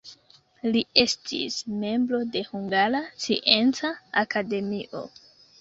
Li estis membro de Hungara Scienca Akademio.